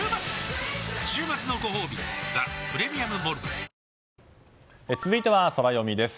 週末のごほうび「ザ・プレミアム・モルツ」続いてはソラよみです。